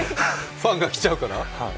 ファンが来ちゃうから？